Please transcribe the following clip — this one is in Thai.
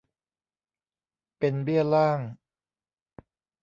เป็นเบี้ยล่าง